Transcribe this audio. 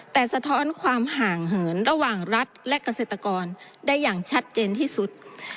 แต่สะท้อนความห่างเหินระหว่างรัฐและเกษตรกรได้อย่างชัดเจนที่สุด